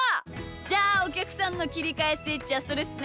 じゃあおきゃくさんのきりかえスイッチはそれっすね。